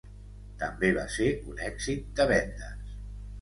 També va ser un èxit de vendes.